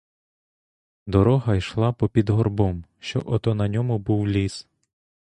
Дорога йшла попід горбом, що ото на ньому був ліс.